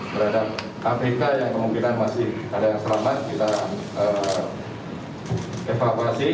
terhadap abk yang kemungkinan masih ada yang selamat kita evakuasi